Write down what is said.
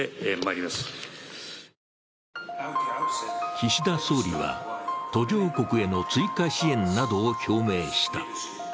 岸田総理は途上国への追加支援などを表明した。